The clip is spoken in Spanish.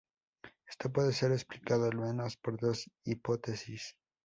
Esto puede ser explicado al menos por dos hipótesis.